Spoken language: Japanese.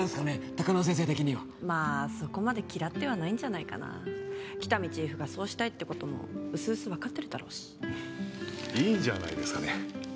高輪先生的にはまあそこまで嫌ってはないんじゃないかな喜多見チーフがそうしたいってこともうすうす分かってるだろうしいいんじゃないですかね